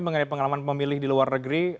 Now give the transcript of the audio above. mengenai pengalaman pemilih di luar negeri